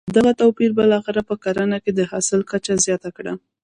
دغه توپیر بالاخره په کرنه کې د حاصل کچه زیانه کړه.